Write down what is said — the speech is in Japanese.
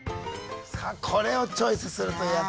さあこれをチョイスするという辺り。